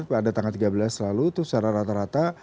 pada tanggal tiga belas lalu itu secara rata rata